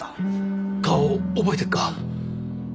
顔を覚えてっか？